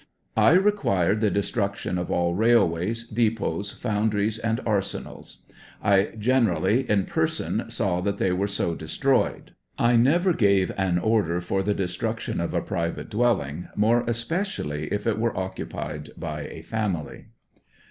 1 required the destruction of all railways, depots, foundries, and arsenals; I generally, in person, saw that they were so destroyed ; 1 never gave an order for the destruction of a private dwelling, more especially if it were occupied by a family.